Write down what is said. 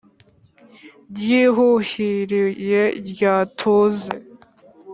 Rwihuhiriye rya tuze